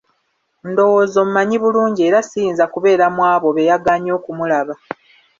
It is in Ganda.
Ndowooza ommanyi bulungi era siyinza kubeera mu abo beyagaanye okumulaba.